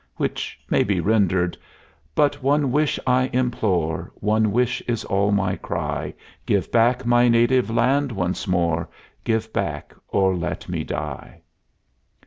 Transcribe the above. Which may be rendered: But one wish I implore, One wish is all my cry: Give back my native land once more, Give back, or let me die.